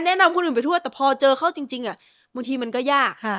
แนะนำคนอื่นไปทั่วแต่พอเจอเขาจริงบางทีมันก็ยาก